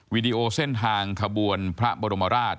วิดีโอเส้นทางขบวนพระบรมราช